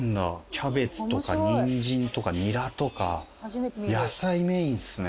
キャベツとかニンジンとかニラとか野菜メインっすね。